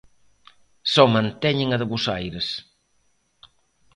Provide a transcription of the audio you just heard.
Só manteñen a de Bos Aires.